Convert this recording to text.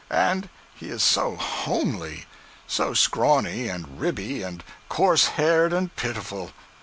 And he is so homely!—so scrawny, and ribby, and coarse haired, and pitiful.